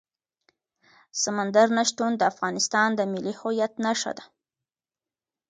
سمندر نه شتون د افغانستان د ملي هویت نښه ده.